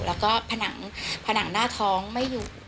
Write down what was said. แล้วก็ผนังผนังหน้าท้องไม่อยู่